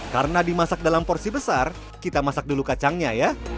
karena dimasak dalam porsi besar kita masak dulu kacangnya ya